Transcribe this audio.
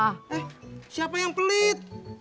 eh siapa yang pelit